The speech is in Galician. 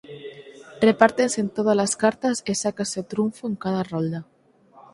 Repártense tódalas cartas e sácase o trunfo en cada rolda.